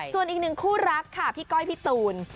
ส่วนอีกหนึ่งคู่รักค่ะพี่ก้อยพี่ตูน